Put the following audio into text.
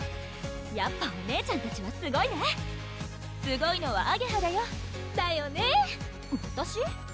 やっぱお姉ちゃんたちはすごいねすごいのはあげはだよだよねわたし？